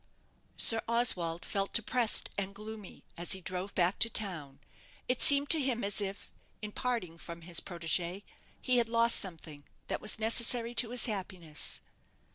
Sir Oswald felt depressed and gloomy as he drove back to town. It seemed to him as if, in parting from his protégée, he had lost something that was necessary to his happiness.